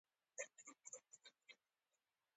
امین الله خان لوګری او نور باید ولېږدول شي.